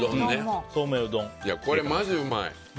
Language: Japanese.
これマジうまい。